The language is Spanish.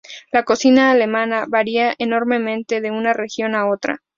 La cocina alemana varía enormemente de una región a otra.